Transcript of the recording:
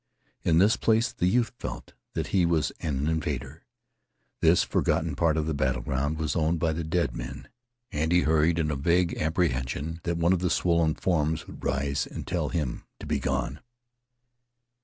In this place the youth felt that he was an invader. This forgotten part of the battle ground was owned by the dead men, and he hurried, in the vague apprehension that one of the swollen forms would rise and tell him to begone.